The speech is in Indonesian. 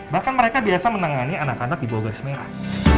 bahkan mereka biasa menangani anak anak di bawah garis merah